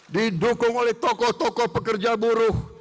didukung oleh tokoh tokoh pekerja buruh